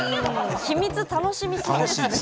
秘密楽しみすぎですね。